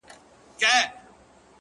ډېـــره شناخته مي په وجود كي ده.!